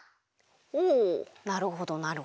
おおなるほどなるほど。